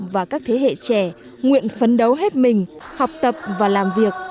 và các thế hệ trẻ nguyện phấn đấu hết mình học tập và làm việc